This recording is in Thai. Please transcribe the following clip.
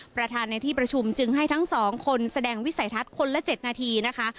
ประธานในที่ประชุมจึงให้ทั้งสองคนแสดงวิสัยทัศน์คนละ๗นาทีนะคะ